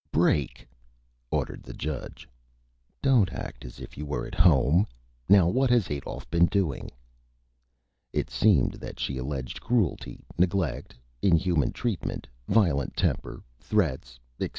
"Break!" ordered the Judge. "Don't act as if you were at Home. Now, what has Adolph been doing?" It seemed that she alleged Cruelty, Neglect, Inhuman Treatment, Violent Temper, Threats, etc.